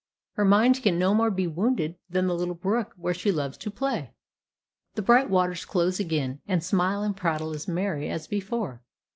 Her mind can no more be wounded than the little brook where she loves to play. The bright waters close again, and smile and prattle as merry as before.